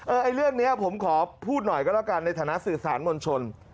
ไอ้เรื่องนี้ผมขอพูดหน่อยก็แล้วกันในฐานะสื่อสารมวลชน